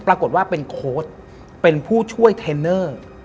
ปรากฏว่าเป็นโค้ดเป็นผู้ช่วยเทรนเนอร์